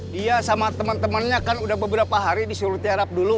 dia sama teman temannya kan udah beberapa hari disuruh tiarap dulu